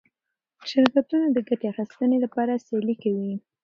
شرکتونه د ګټې اخیستنې لپاره سیالي کوي.